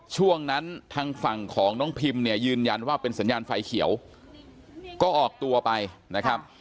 ช่วงนั้นทางฝั่งของน้องพิมเนี่ยยืนยันว่าเป็นสัญญาณไฟเขียวก็ออกตัวไปนะครับ